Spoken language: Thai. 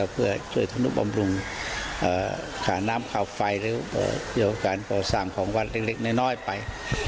เพื่อช่วยธรรมนุบำรุงค่าน้ำค่าไฟหรือการประสามของวัดเล็กน้อยไป